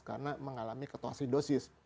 karena mengalami ketuasidosis